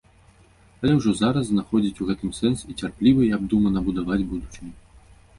Але ўжо зараз знаходзіць у гэтым сэнс і цярпліва і абдумана будаваць будучыню.